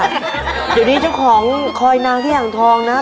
เดี๋ยวนี้เจ้าของคอยนางที่อ่างทองนะ